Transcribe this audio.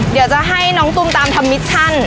เดี๋ยวจะให้น้องตุ้มตามทำมิชชั่น